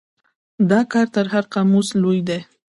دا کار تر هر قاموس لوی دی.